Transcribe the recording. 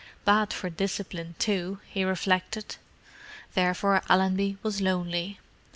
"Bad for discipline, too!" he reflected. Therefore Allenby was lonely.